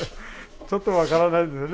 ちょっと分からないですよね